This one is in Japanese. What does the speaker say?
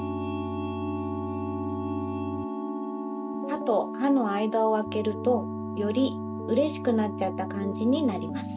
はとはのあいだをあけるとよりうれしくなっちゃったかんじになります。